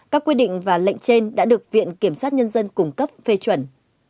các quy định và lệnh trên đã được viện kiểm sát nhân dân cung cấp phê chuẩn